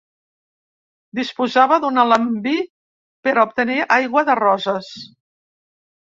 Disposava d'un alambí per obtenir aigua de roses.